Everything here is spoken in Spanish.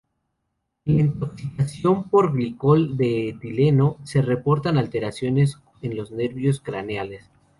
En la intoxicación por glicol de etileno se reportan alteraciones en los nervios craneales.